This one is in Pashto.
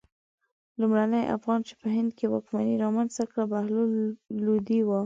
لومړني افغان چې په هند کې واکمني رامنځته کړه بهلول لودی و.